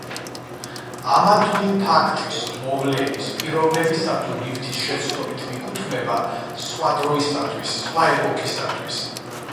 ამა თუ იმ ფაქტის, მოვლენის, პიროვნებისა თუ ნივთის შეცდომით მიკუთვნება სხვა დროისათვის, სხვა ეპოქისათვის.